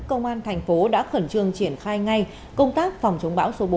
công an thành phố đã khẩn trương triển khai ngay công tác phòng chống bão số bốn